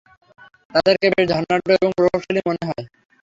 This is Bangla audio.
তাদেরকে বেশ ধনাঢ্য এবং প্রভাবশালী মনে হয়।